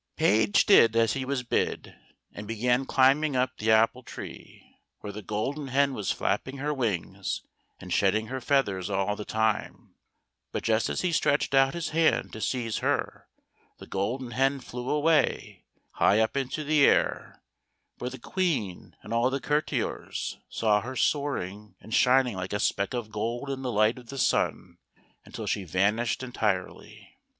64 THE GOLDEN HEN. Page did as he was bid, and began climbing up the apple tree, where the Golden Hen was flapping her wings and shedding her feathers all the time ; but just as he stretched out his hand to seize her, the Golden Hen flew away, high up into the air, where the Queen and all the courtiers saw her soaring and shining like a speck of gold in the light of the sun, until she vanished entirely.